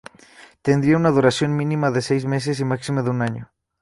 Tendrán una duración mínima de seis meses y máxima de un año.